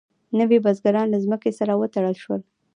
نوي بزګران له ځمکې سره وتړل شول.